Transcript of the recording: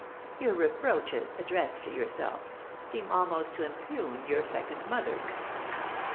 Your reproaches, addressed to yourself, seem almost to impugn your second mother."